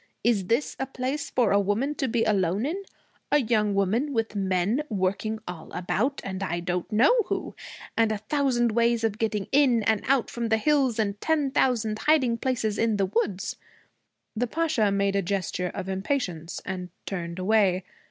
Is this a place for a woman to be alone in a young woman, with men working all about, and I don't know who, and a thousand ways of getting in and out from the hills, and ten thousand hiding places in the woods?' The Pasha made a gesture of impatience, and turned away.